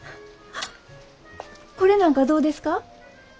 あこれなんかどうですか？